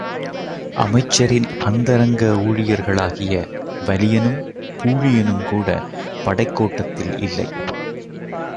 அமைச்சரின் அந்தரங்க ஊழியர்களாகிய வலியனும் பூழியனும் கூடப் படைக்கோட்டத்தில் இல்லை.